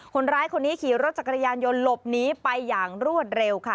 คนร้ายคนนี้ขี่รถจักรยานยนต์หลบหนีไปอย่างรวดเร็วค่ะ